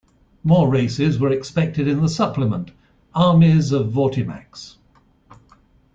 More races were expected in the supplement "Armies of Vortimax".